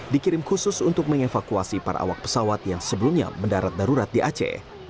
dikirim khusus untuk mengevakuasi para awak pesawat yang sebelumnya mendarat darurat di aceh